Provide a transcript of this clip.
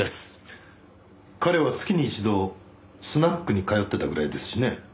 彼は月に一度スナックに通ってたぐらいですしね。